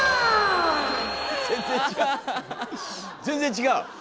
全然違う！